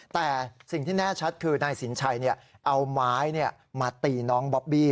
แต่สิ่งที่แน่ชัดคือนายสินชัยเอาไม้มาตีน้องบอบบี้